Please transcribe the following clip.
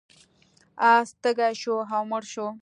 اس تږی شو او مړ شو.